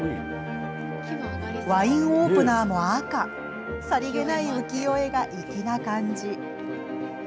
ワインオープナーも赤さりげない浮世絵が粋な感じ。